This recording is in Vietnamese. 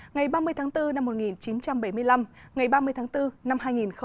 ngày ba mươi tháng bốn năm một nghìn chín trăm bảy mươi năm ngày ba mươi tháng bốn năm hai nghìn hai mươi